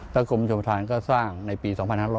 และกลมชมธารก็สร้างในปี๒๕๒๘